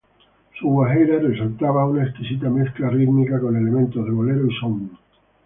Su guajira resultaba una exquisita mezcla rítmica con elementos de bolero y son.